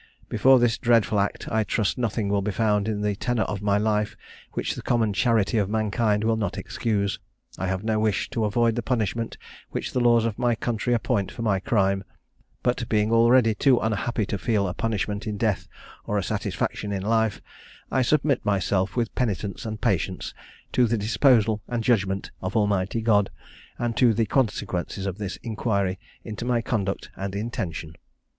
"Before this dreadful act I trust nothing will be found in the tenor of my life which the common charity of mankind will not excuse. I have no wish to avoid the punishment which the laws of my country appoint for my crime; but being already too unhappy to feel a punishment in death or a satisfaction in life, I submit myself with penitence and patience to the disposal and judgment of Almighty God, and to the consequences of this inquiry into my conduct and intention."